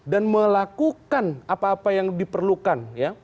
dan melakukan apa apa yang diperlukan